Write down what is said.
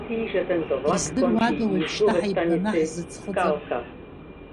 Издыруада, уажәшьҭа ҳаибганы ҳзыӡхыҵыр?!